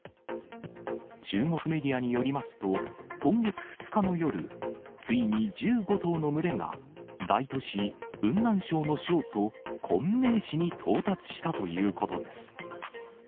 中国メディアによりますと、今月２日の夜、ついに１５頭の群れが、大都市、雲南省の省都、昆明市に到達したということです。